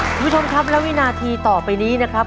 คุณผู้ชมครับและวินาทีต่อไปนี้นะครับ